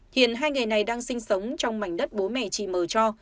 hiện hai người này đang sinh sống trong mảnh đất bố mẹ chị mờ cho